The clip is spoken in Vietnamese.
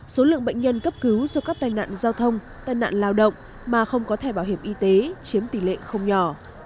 số lượng bệnh nhân cấp cứu do các tai nạn giao thông tai nạn lao động mà không có thẻ bảo hiểm y tế chiếm tỷ lệ không nhỏ